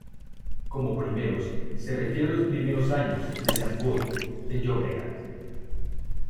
Como primeros, se refiere a los primeros años de Sant Boi de Llobregat